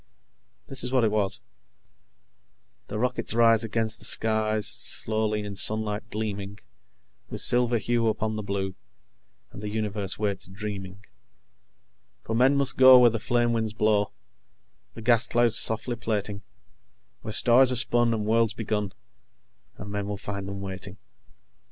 This is what it was: "_The rockets rise against the skies, Slowly; in sunlight gleaming With silver hue upon the blue. And the universe waits, dreaming._ "_For men must go where the flame winds blow, The gas clouds softly plaiting; Where stars are spun and worlds begun, And men will find them waiting.